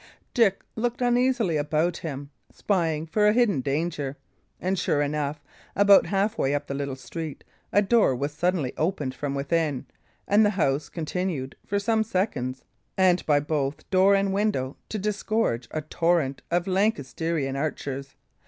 Dick looked uneasily about him, spying for a hidden danger. And sure enough, about half way up the little street, a door was suddenly opened from within, and the house continued, for some seconds, and both by door and window, to disgorge a torrent of Lancastrian archers.